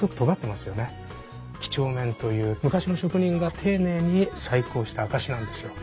几帳面という昔の職人が丁寧に細工をした証しなんですよ。